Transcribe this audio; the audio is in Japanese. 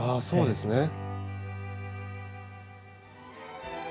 そうですね。